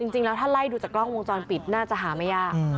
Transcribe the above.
จริงแล้วถ้าไล่ดูจากกล้องวงจรปิดน่าจะหาไม่ยาก